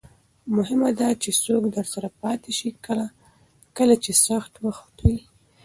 مهمه ده چې څوک درسره پاتې شي کله چې سخت وخت وي.